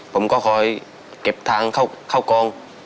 ผมก็คอยเก็บทางเข้ากอง